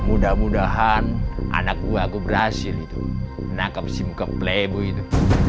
mudah mudahan anak gue berhasil menangkap si buka plebo itu